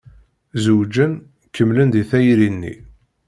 Zewǧen. Kemmlen di tayri-nni.